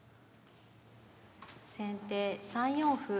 先手３四歩。